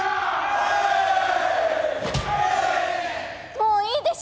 もういいでしょ！